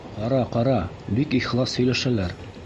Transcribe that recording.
Ҡара, ҡара, бик ихлас һөйләшәләр.